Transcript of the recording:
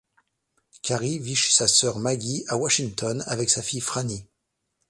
Carrie vit chez sa sœur Maggie à Washington, avec sa fille Frannie.